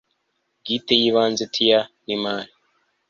bwite y ibanze Tier n imari